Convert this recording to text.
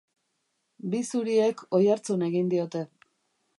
Bi zuriek oihartzun egin diote.